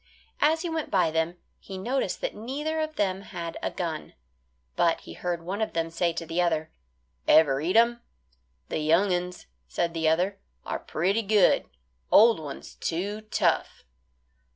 As he went by them, he noticed that neither of them had a gun, but he heard one of them say to the other, "Ever eat 'em?" "The young uns," said the other, "are pretty good; old ones too tough."